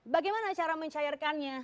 bagaimana cara mencairkannya